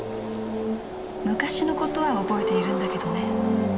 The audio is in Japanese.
昔のことは覚えているんだけどね。